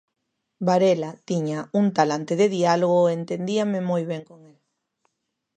Varela tiña un talante de diálogo e entendíame moi ben con el.